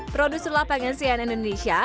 produser lapangan cnn indonesia